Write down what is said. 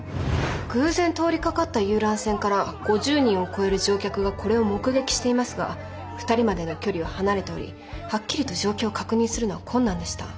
偶然通りかかった遊覧船から５０人を超える乗客がこれを目撃していますが２人までの距離は離れておりはっきりと状況を確認するのは困難でした。